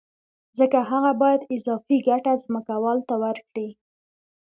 ځکه هغه باید اضافي ګټه ځمکوال ته ورکړي